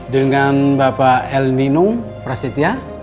dengan bapak el nino prasetya